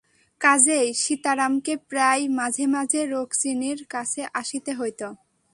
কাজেই সীতারামকে প্রায় মাঝে মাঝে রুক্মিণীর কাছে আসিতে হইত।